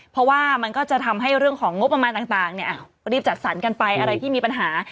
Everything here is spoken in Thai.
เพราะว่ามันก็จะทำให้เรื่องของงบประมาณต่างรีบจัดสรรกันไปอะไรที่มีปัญหา